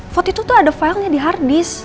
foto itu tuh ada filenya di harddisk